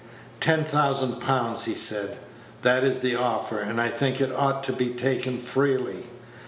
"Ten thousand pounds," he said; "that is the offer, and I think it ought to be taken freely.